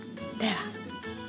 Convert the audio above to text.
では。